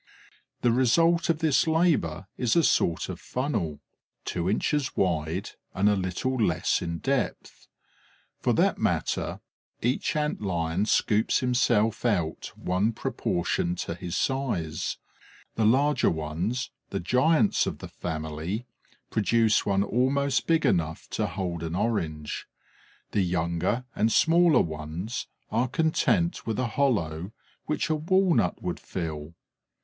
The result of this labour is a sort of funnel, two inches wide and a little less in depth. For that matter, each Ant lion scoops himself out one proportioned to his size: the larger ones, the giants of the family, produce one almost big enough to hold an orange; the younger and smaller ones are content with a hollow which a walnut would fill.